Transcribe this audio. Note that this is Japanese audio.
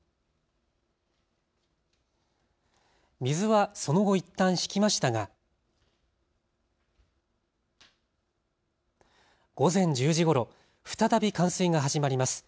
水はその後いったん引きましたが、午前１０時ごろ再び冠水が始まります。